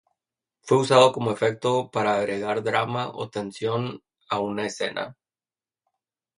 Fue usado como efecto para agregar drama o tensión a una escena.